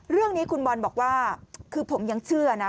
เรื่องนี้คุณบอลบอกว่าคือผมยังเชื่อนะ